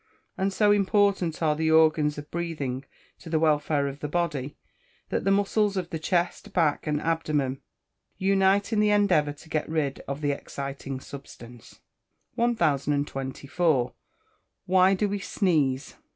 And so important are the organs of breathing to the welfare of the body, that the muscles of the chest, back, and abdomen, unite in the endeavour to get rid of the exciting substance. 1024. _Why do we sneeze?